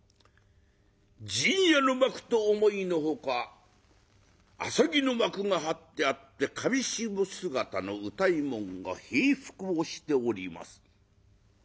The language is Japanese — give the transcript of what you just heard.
「陣屋」の幕と思いの外浅葱の幕が張ってあって裃姿の歌右衛門が平伏をしております。